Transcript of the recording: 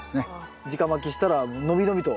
じかまきしたら伸び伸びと。